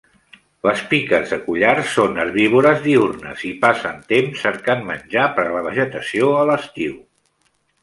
Les piques de collar són herbívores diürnes i passen temps cercant menjar per la vegetació a l'estiu.